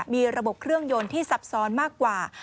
มีระบบเครื่องยนต์ที่ซับซ้อนมากกว่า